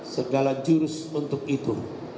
segala jurus untuk itu